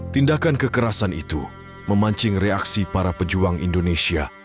tindakan kekerasan itu memancing reaksi para pejuang indonesia